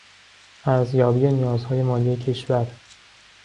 ارزیابی نیازهای مالی کشور